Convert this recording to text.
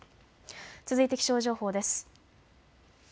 続いて気象情報です。